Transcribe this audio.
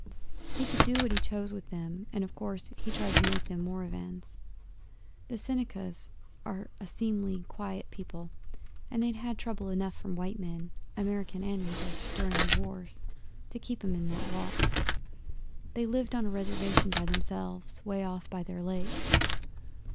He could do what he chose with them, and, of course, he tried to make them Moravians. The Senecas are a seemly, quiet people, and they'd had trouble enough from white men American and English during the wars, to keep 'em in that walk. They lived on a Reservation by themselves away off by their lake.